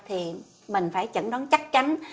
thì mình phải chẩn đoán chắc chắn